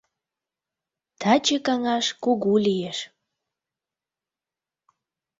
Таче каҥаш кугу лиеш.